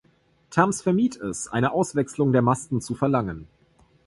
Tamms vermied es, eine Auswechslung der Masten zu verlangen.